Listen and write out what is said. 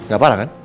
gak parah kan